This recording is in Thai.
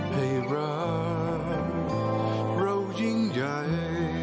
ให้รักเรายิ่งใหญ่